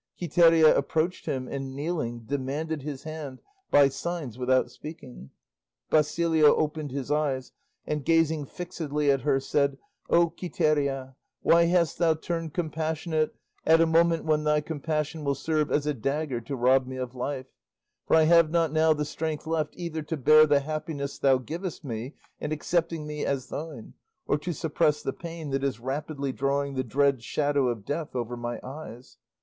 Quiteria approached him, and kneeling, demanded his hand by signs without speaking. Basilio opened his eyes and gazing fixedly at her, said, "O Quiteria, why hast thou turned compassionate at a moment when thy compassion will serve as a dagger to rob me of life, for I have not now the strength left either to bear the happiness thou givest me in accepting me as thine, or to suppress the pain that is rapidly drawing the dread shadow of death over my eyes?